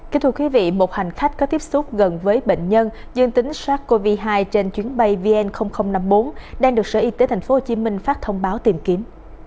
kính thưa quý vị một hành khách có tiếp xúc gần với bệnh nhân dương tính sars cov hai trên chuyến bay vn năm mươi bốn đang được sở y tế tp hcm phát thông báo tìm kiếm